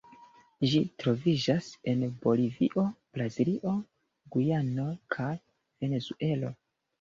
Ĝi troviĝas en Bolivio, Brazilo, Gujanoj kaj Venezuelo.